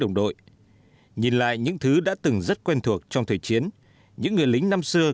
đồng đội nhìn lại những thứ đã từng rất quen thuộc trong thời chiến những người lính năm xưa